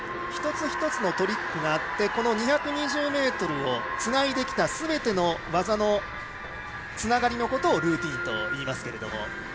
一つ一つのトリックがあり２２０ｍをつないできたすべての技のつながりのことをルーティンといいますが。